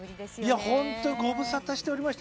いや本当にご無沙汰しておりました。